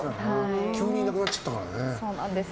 急にいなくなっちゃったからね。